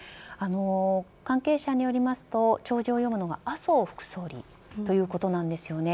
関係者によりますと弔辞を読むのは麻生副総理ということなんですよね。